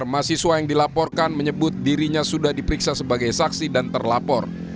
mahasiswa yang dilaporkan menyebut dirinya sudah diperiksa sebagai saksi dan terlapor